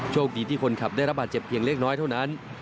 โชคดีที่คนขับได้รับบาดเจ็บเพียงเล็กน้อยเท่านั้น